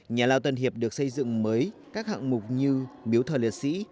nhà lao tân hiệp được xây dựng mới các hạng mục như miếu thờ liệt sĩ